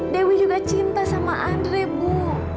dewi juga cinta sama andre bu